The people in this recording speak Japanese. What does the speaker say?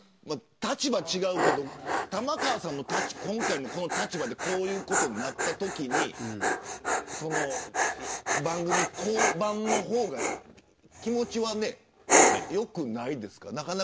立場が違うけど玉川さんの今回の立場でこういうことになったときに番組降板の方が気持ちはよくないですか。